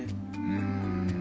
うん。